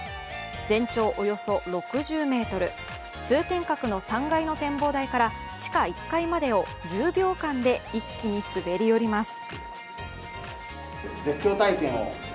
全長およそ６０ｍ通天閣の３階の展望台から地下１階までを１０秒間で一気に滑り降ります。